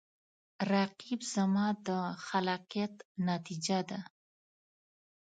رقیب زما د خلاقیت نتیجه ده